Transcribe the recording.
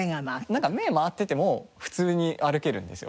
なんか目回ってても普通に歩けるんですよ。